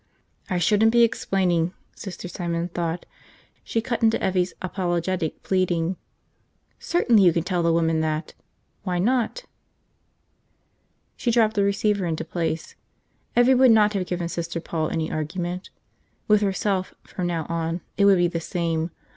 I shouldn't be explaining, Sister Simon thought. She cut into Evvie's apologetic pleading. "Certainly you can tell the woman that! Why not?" She dropped the receiver into place. Evvie would not have given Sister Paul any argument. With herself, from now on, it would be the same.